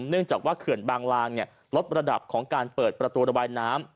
เนื่องจากว่าเขื่อนบางลางลดระดับของการเปิดประตูระบายน้ำ